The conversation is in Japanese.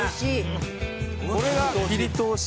これが切通し。